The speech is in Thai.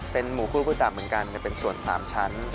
เป็นหมูคุโรบุตะเหมือนกันแต่เป็นส่วนสามชั้น